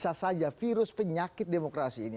jika dibiarkan bisa saja virus penyakit demokrasi itu sendiri